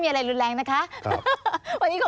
การเลือกตั้งครั้งนี้แน่